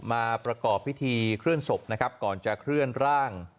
มาประกอบพิธีเคลื่อนศพนะครับก่อนจะเคลื่อนร่าง